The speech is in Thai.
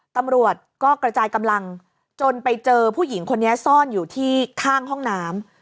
ตำรวจก็กระจายกำลังจนไปเจอผู้หญิงคนนี้ซ่อนอยู่ที่ข้างห้องน้ำ